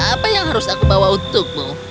apa yang harus aku bawa untukmu